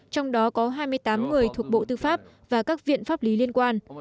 trong đó có hai mươi tám người thuộc bộ tư pháp và các viện pháp lý liên quan